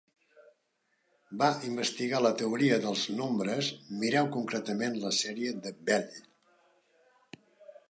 Va investigar la teoria dels nombres; mireu concretament la sèrie de Bell.